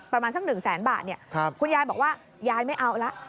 ประมาณสัก๑๐๐๐๐๐บาทเนี่ยคุณยายบอกว่ายายไม่เอาแล้ว